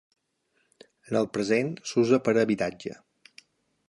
En el present s'usa per a habitatge.